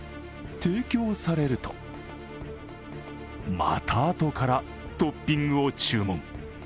提供されると、またあとからトッピングを注文。